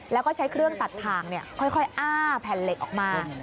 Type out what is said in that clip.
แล้วก็ใช้เครื่องตัดทางค่อยอ้าแผ่นเหล็กออกมา